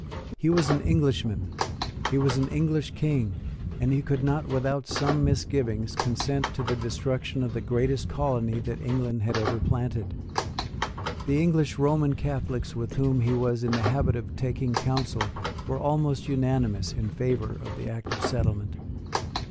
He was an Englishman: he was an English King; and he could not, without some misgivings, consent to the destruction of the greatest colony that England had ever planted. The English Roman Catholics with whom he was in the habit of taking counsel were almost unanimous in favour of the Act of Settlement.